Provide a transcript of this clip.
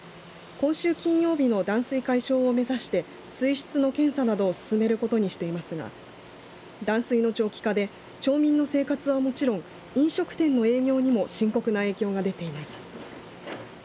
今週金曜日の断水解消を目指して水質の検査などを進めることにしていますが断水の長期化で町民の生活は、もちろん飲食店の営業にも深刻な影響が出ています。